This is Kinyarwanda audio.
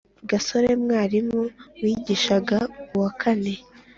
gasore mwarimu wigishaga uwakane